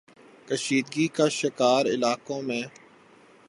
کشیدگی کے شکار علاقوں میں